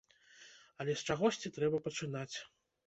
Але з чагосьці трэба пачынаць.